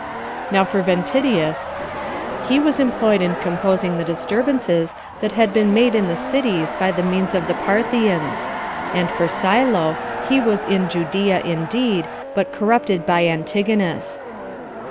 Now for Ventidius, he was employed in composing the disturbances that had been made in the cities by the means of the Parthians; and for Silo, he was in Judea indeed, but corrupted by Antigonus.